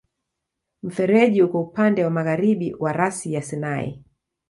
Mfereji uko upande wa magharibi wa rasi ya Sinai.